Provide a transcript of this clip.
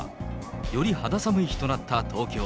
より肌寒い日となった東京。